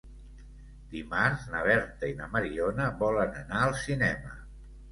Dimarts na Berta i na Mariona volen anar al cinema.